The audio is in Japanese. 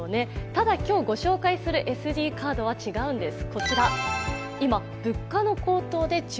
ただ今日ご紹介するＳＤカードは違うんです。